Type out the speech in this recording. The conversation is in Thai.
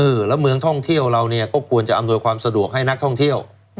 แล้วเมืองท่องเที่ยวเราเนี่ยก็ควรจะอำนวยความสะดวกให้นักท่องเที่ยว